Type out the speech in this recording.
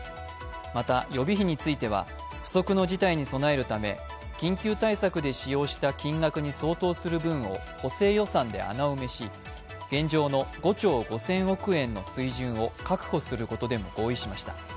また、予備費については不測の事態に備えるため緊急対策で使用した金額に相当する分を補正予算で穴埋めし現状の５兆５０００億円の水準を確保することでも合意しました。